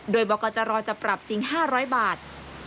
โดยบอกว่าจะรอจะปรับจริง๕๐๐บาท